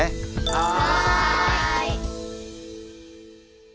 はい！